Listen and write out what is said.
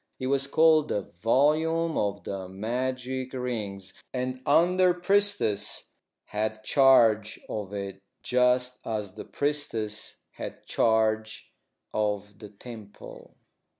It was called the "Volume of the Magic Rings," and the under priestess had charge of it just as the priestess had charge of the temple.